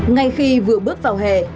ngay khi vừa bước vào hè